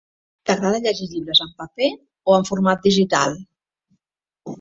T'agrada llegir llibres en paper o en format digital?